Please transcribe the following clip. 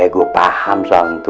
gua paham santu